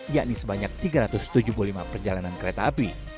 yakni sebanyak tiga ratus tujuh puluh lima perjalanan kereta api